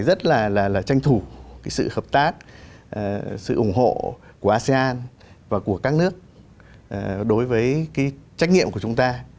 chúng ta sẽ phải rất là tranh thủ sự hợp tác sự ủng hộ của asean và của các nước đối với cái trách nhiệm của chúng ta